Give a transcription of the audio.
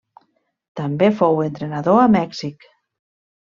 També fou entrenador a Mèxic.